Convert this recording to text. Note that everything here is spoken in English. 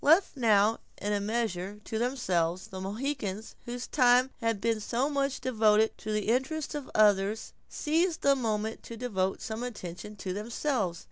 Left now in a measure to themselves, the Mohicans, whose time had been so much devoted to the interests of others, seized the moment to devote some attention to themselves.